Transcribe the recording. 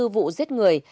hai mươi bốn vụ giết người